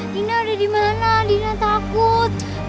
dina udah dimana dina takut